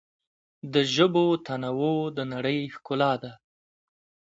د ژبو تنوع د نړۍ ښکلا ده.